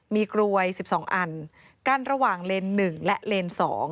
มีกลวย๑๒อันกั้นระหว่างเลน๑และเลน๒